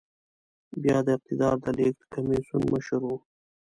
بيا د اقتدار د لېږد کميسيون مشر و.